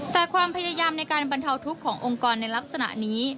แต่ความพยายามในการบรรเทาทุกข์ขององค์กรในลักษณะนี้